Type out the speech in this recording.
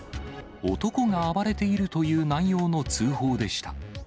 男が暴れているという内容の通報でした。